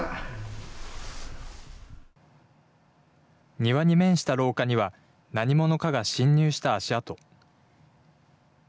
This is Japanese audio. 庭に面した廊下には、何者かが侵入した足跡。